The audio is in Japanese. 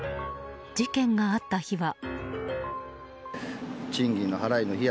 事件があった日は。